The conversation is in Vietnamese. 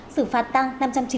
xử phạt tăng năm trăm chín mươi tám